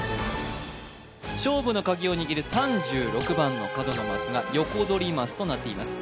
勝負の鍵を握る３６番の角のマスがヨコドリマスとなっています